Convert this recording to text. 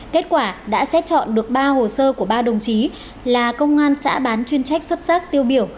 kết quả đã xét chọn được ba hồ sơ của ba đồng chí là công an xã bán chuyên trách xuất sắc tiêu biểu